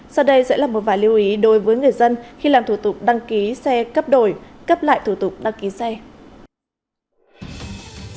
sau đây sẽ là một vài lưu ý đối với người dân khi làm thủ tục đăng ký xe cấp đổi cấp lại thủ tục đăng ký xe